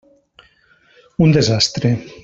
Un desastre.